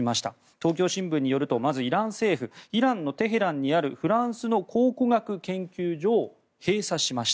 東京新聞によるとまずイラン政府、テヘランにあるフランスの考古学研究所を閉鎖しました。